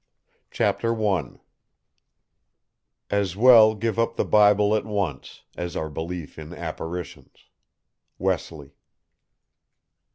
CHAPTER I "As well give up the Bible at once, as our belief in apparitions." WESLEY.